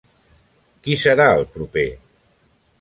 Qui serà el proper?